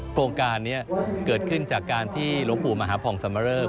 โครงการนี้เกิดขึ้นจากการที่หลวงปู่มหาผ่องสมเริก